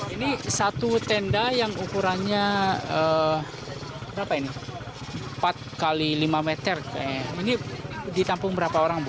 ini satu tenda yang ukurannya berapa ini empat x lima meter ini ditampung berapa orang bu